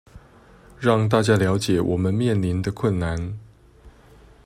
讓大家了解我們面臨的困難